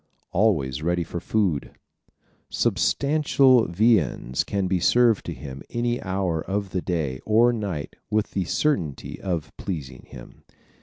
Always Ready for Food ¶ Substantial viands can be served to him any hour of the day or night with the certainty of pleasing him.